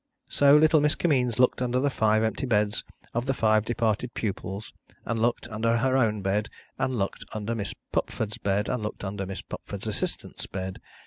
So, little Miss Kimmeens looked under the five empty beds of the five departed pupils, and looked, under her own bed, and looked under Miss Pupford's bed, and looked under Miss Pupford's assistants bed.